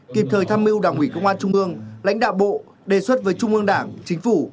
kịp thời tham mưu đảng ủy công an trung ương lãnh đạo bộ đề xuất với trung ương đảng chính phủ